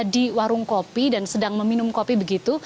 di warung kopi dan sedang meminum kopi begitu